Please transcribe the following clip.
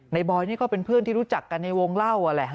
นายบอยก็เป็นเพื่อนที่รู้จักกันในวงเล่า